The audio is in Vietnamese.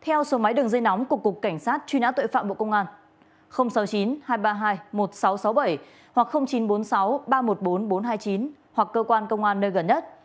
theo số máy đường dây nóng của cục cảnh sát truy nã tội phạm bộ công an sáu mươi chín hai trăm ba mươi hai một nghìn sáu trăm sáu mươi bảy hoặc chín trăm bốn mươi sáu ba trăm một mươi bốn bốn trăm hai mươi chín hoặc cơ quan công an nơi gần nhất